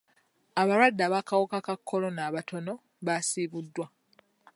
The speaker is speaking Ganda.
Abalwadde b'akawuka ka kolona abatono baasibuddwa.